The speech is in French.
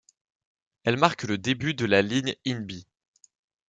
Elle marque le début de la ligne Inbi.